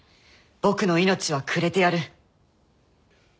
僕の命はくれてやる。